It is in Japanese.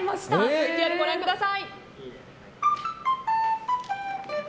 ＶＴＲ、ご覧ください。